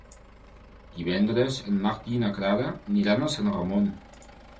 Divendres en Martí i na Clara aniran a Sant Ramon.